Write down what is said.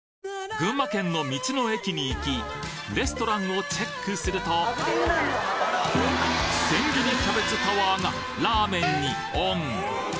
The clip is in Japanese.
群馬県の道の駅に行きレストランをチェックすると千切りキャベツタワーがラーメンにオン！